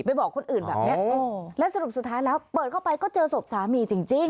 บอกคนอื่นแบบนี้และสรุปสุดท้ายแล้วเปิดเข้าไปก็เจอศพสามีจริง